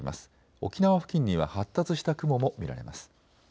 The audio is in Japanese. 沖縄付近には発達した雲も見られます。